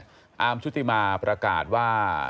อาร์มชุติมาประกาศว่า